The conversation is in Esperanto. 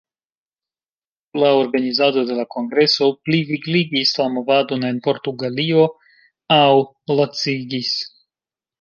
Ĉu la organizado de la kongreso plivigligis la movadon en Portugalio aŭ lacigis?